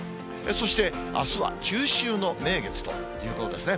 そしてあすは中秋の名月ということですね。